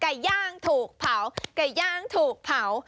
ไก่ย่างถูกเผาไก่ย่างถูกเผา